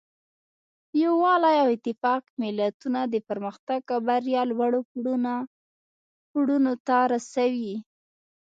یووالی او اتفاق ملتونه د پرمختګ او بریا لوړو پوړونو ته رسوي.